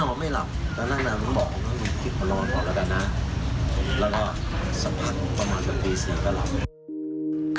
ก็เพียบลงเกิดความเป็นความสุข